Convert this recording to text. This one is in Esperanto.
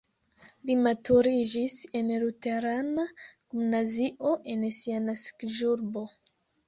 Li maturiĝis en luterana gimnazio en sia naskiĝurbo.